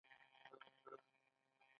چې څنګه په بندیزونو کې ژوند وکړو.